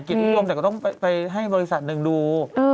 จากต้องไปให้บริษัทหนึ่งดู